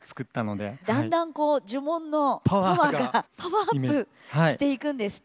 だんだんこう呪文のパワーがパワーアップしていくんですって。